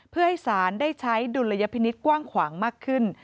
เพื่อให้ศาลได้ใช้ดุลยพินิษฐ์กว้างขวางมากขึ้น